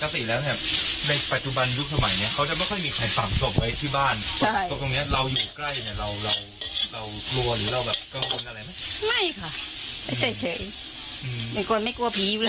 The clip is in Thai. ปกติแล้วเนี้ยในปัจจุบันยุคสมัยเนี้ยเขาจะไม่ค่อยมีใครฝังศพไว้ที่บ้าน